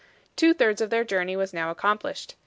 Two thirds of their journey was now accomplished.